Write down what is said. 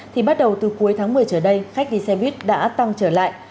thì bắt đầu từ cuối tháng một mươi trở đây khách đi xe buýt đã tăng trở lại